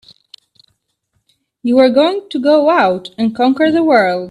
You were going to go out and conquer the world!